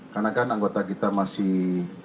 karena kan anggota kita masih